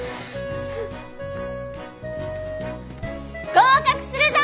合格するぞ！